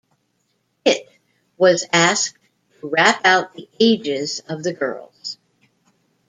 "It" was asked to rap out the ages of the girls.